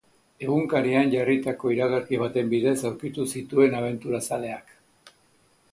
Egunkarian jarritako iragarki baten bidez aurkitu zituen abenturazaleak.